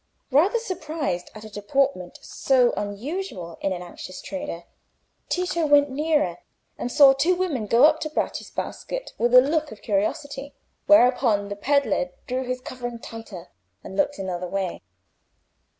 Rather surprised at a deportment so unusual in an anxious trader, Tito went nearer and saw two women go up to Bratti's basket with a look of curiosity, whereupon the pedlar drew the covering tighter, and looked another way.